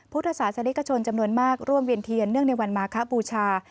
พุทธศาสนิกชนจำนวนมากร่วมเวียนเทียนเนื่องในวันมาคบูชา